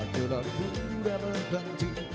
kulahku udah berhenti